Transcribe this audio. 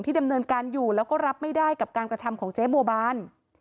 ดำเนินการอยู่แล้วก็รับไม่ได้กับการกระทำของเจ๊บัวบาน